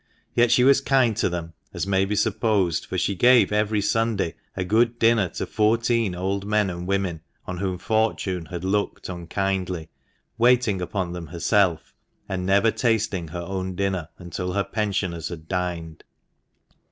Yet she was kind to them, as may be supposed, for she gave every Sunday a good dinner to fourteen old men and women on whom fortune had looked unkindly, waiting upon them herself, and never tasting her own dinner until her pensioners had dined.